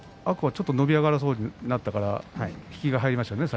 ちょっと伸び上がりそうになったから引きが入りましたね。